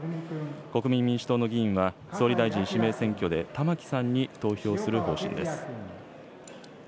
国民民主党の議員は、総理大臣指名選挙で玉木さんに投票する方針です。